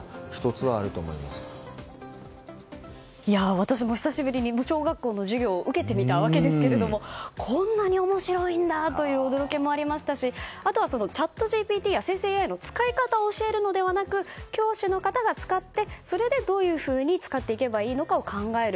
私も久しぶりに小学校の授業を受けてみたわけですがこんなに面白いんだという驚きもありましたしあとはＣｈａｔＧＰＴや生成ＡＩの使い方を教えるのではなく教師の方が使ってそれで、どういうふうに使っていけばいいのかを考える。